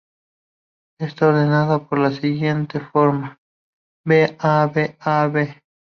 Está ordenada de la siguiente forma: v-a-v-a-v.